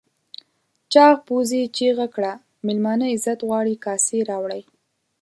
چاغ پوځي چیغه کړه مېلمانه عزت غواړي کاسې راوړئ.